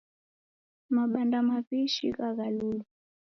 Mabamba mawishi ghaghulwa